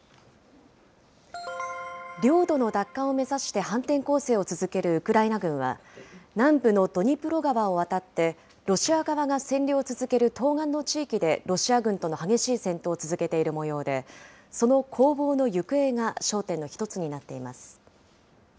領土の奪還を目指して反転攻勢を続けるウクライナ軍は、南部のドニプロ川を渡って、ロシア側が占領を続ける東岸の地域でロシア軍との激しい戦闘を続けているもようで、その攻防の行方が焦点の１つになっています。